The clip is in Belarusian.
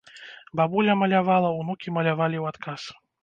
Бабуля малявала, унукі малявалі ў адказ.